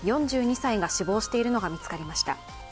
４２歳が死亡しているのが見つかりました。